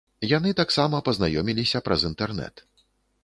Яны таксама пазнаёміліся праз інтэрнэт.